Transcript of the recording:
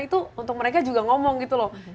itu untuk mereka juga ngomong gitu loh